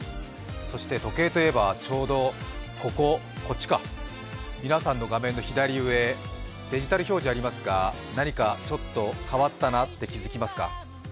そして、時計といえば皆さんの画面の左上、デジタル表示がありますが何かちょっと変わったなと気付きますか。